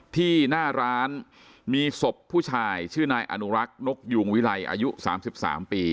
ที่หน้าร้านมีศพผู้ชายชื่อนายอนุรักษ์นกยูงวิลัยอายุ๓๓ปี